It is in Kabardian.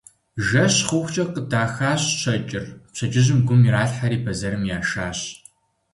Жэщ хъухукӀэ къыдахащ щэкӀыр, пщэдджыжьым гум иралъхьэри бэзэрым яшащ.